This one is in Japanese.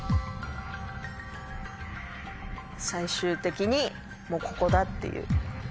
最終的にもうここだっていう。